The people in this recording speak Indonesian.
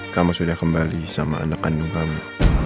kamu sudah kembali sama anak kandung kamu